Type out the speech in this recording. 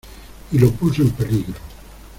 y lo puso en peligro.